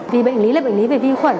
vì bệnh lý là bệnh lý về vi khuẩn